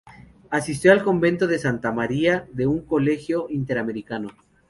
Asistió al Convento de Santa María de un Colegio Interamericano.